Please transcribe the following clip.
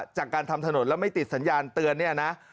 จากการทำถนนแล้วไม่ติดสัญญาณเตือนเนี่ยนะ